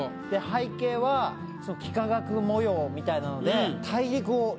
背景は幾何学模様みたいなので。